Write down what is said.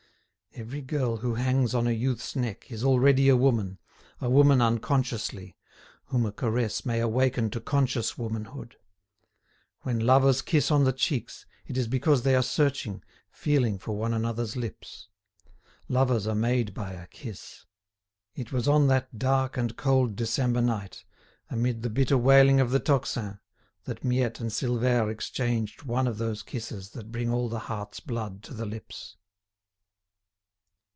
Every girl who hangs on a youth's neck is already a woman, a woman unconsciously, whom a caress may awaken to conscious womanhood. When lovers kiss on the cheeks, it is because they are searching, feeling for one another's lips. Lovers are made by a kiss. It was on that dark and cold December night, amid the bitter wailing of the tocsin, that Miette and Silvère exchanged one of those kisses that bring all the heart's blood to the lips.